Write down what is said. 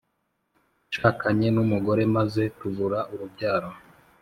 Nashakanye numugore maze tubura urubyaro